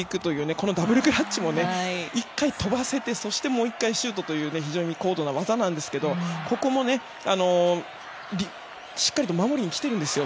このダブルクラッチも１回跳ばせてもう１回シュートという非常に高度な技なんですけどここも、しっかりと守りに来ているんですよ。